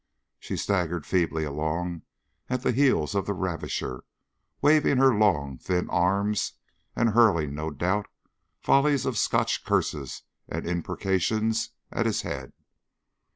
She staggered feebly along at the heels of the ravisher, waving her long, thin arms, and hurling, no doubt, volleys of Scotch curses and imprecations at his head.